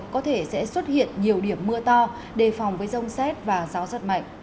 có thể sẽ xuất hiện nhiều điểm mưa to đề phòng với rông xét và gió giật mạnh